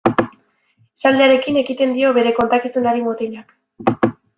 Esaldiarekin ekiten dio bere kontakizunari mutilak.